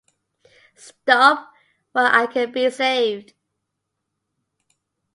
Stop while I can be saved.